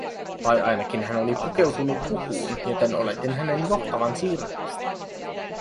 Tai ainakin hän oli pukeutunut pukuun, joten oletin hänen johtavan sirkusta.